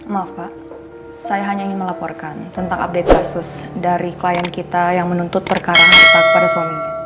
maaf pak saya hanya ingin melaporkan tentang update kasus dari klien kita yang menuntut perkara kita kepada suami